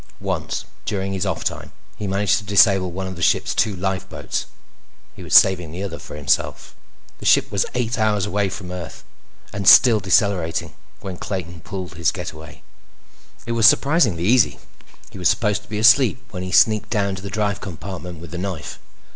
Once, during his off time, he managed to disable one of the ship's two lifeboats. He was saving the other for himself. The ship was eight hours out from Earth and still decelerating when Clayton pulled his getaway. It was surprisingly easy. He was supposed to be asleep when he sneaked down to the drive compartment with the knife.